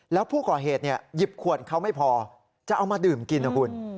แล้วผู้ก่อเหตุหยิบขวดเขาไม่พอจะเอามาดื่มกินนะคุณ